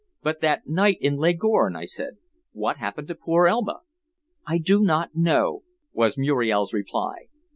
"But that night in Leghorn?" I said. "What happened to poor Elma?" "I do not know," was Muriel's reply.